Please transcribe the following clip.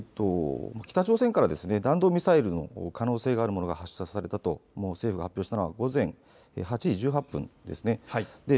北朝鮮から弾道ミサイルの可能性があるものが発射されたと政府が発表したのは午前８時１８分ですね。